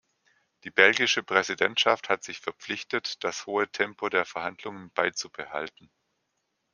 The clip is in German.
Die belgische Präsidentschaft hat sich verpflichtet, das hohe Tempo der Verhandlungen beizubehalten.